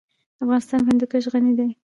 افغانستان په هندوکش غني دی.